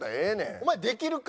お前できるか？